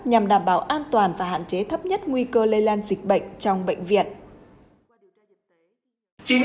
nhằm đảm bảo an toàn và hạn chế thấp nhất nguy cơ lây lan dịch bệnh trong bệnh viện